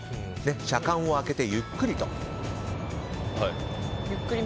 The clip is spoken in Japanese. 車間を空けて、ゆっくりと。